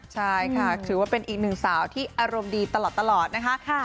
ใช่ค่ะถือว่าเป็นอีกหนึ่งสาวที่อารมณ์ดีตลอดนะคะ